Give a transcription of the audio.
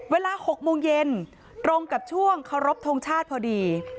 เวลา๖โมงเย็นตรงกับช่วงเคารพทงชาติพอดี